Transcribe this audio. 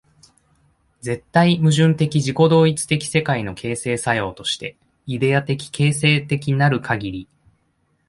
絶対矛盾的自己同一的世界の形成作用として、イデヤ的形成的なるかぎり、